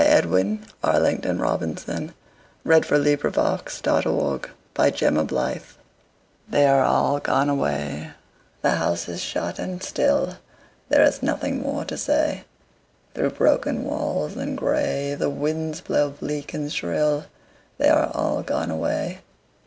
Edwin Arlington Robinson The House on the Hill THEY are all gone away, The house is shut and still, There is nothing more to say. Through broken walls and gray The winds blow bleak and shrill: They are all gone away.